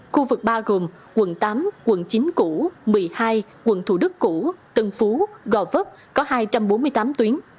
khu vực ba gồm quận tám quận chín củ một mươi hai quận thủ đức củ tân phú gò vấp có hai trăm bốn mươi tám tuyến